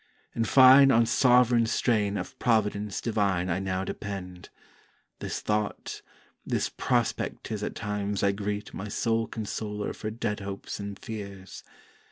In fine on sovran Strain Of Providence divine I now depend: This thought, this prospect 'tis at times I greet My sole consoler for dead hopes and fears.